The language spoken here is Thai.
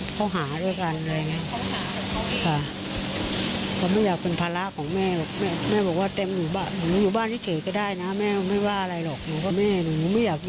เพราะเขาหาด้วยกัน